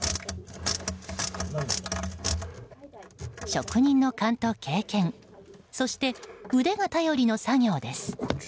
職人の勘と経験そして、腕が頼りの作業です。